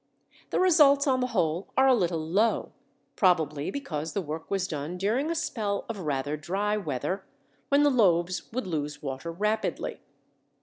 The results on the whole are a little low, probably because the work was done during a spell of rather dry weather, when the loaves would lose water rapidly.